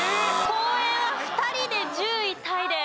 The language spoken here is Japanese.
公園は２人で１０位タイです。